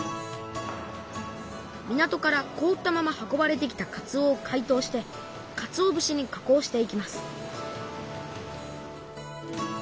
港からこおったまま運ばれてきたかつおをかいとうしてかつお節に加工していきます